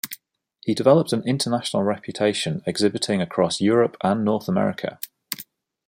He developed an international reputation exhibiting across Europe and North America.